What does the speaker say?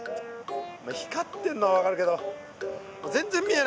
光ってんのは分かるけど全然見えないじゃん！